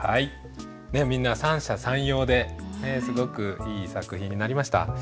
みんな三者三様ですごくいい作品になりました。